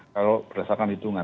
kalau berdasarkan hitungan